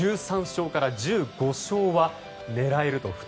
１３勝から１５勝は狙えると。